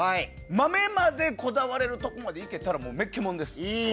豆までこだわれるところまでいけたらめっけもんです。